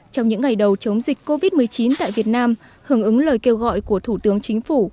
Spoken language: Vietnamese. trong những ngày đầu chống dịch covid một mươi chín tại việt nam hưởng ứng lời kêu gọi của thủ tướng chính phủ